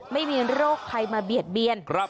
ไม่มีโรคใครมาเบียดเบียน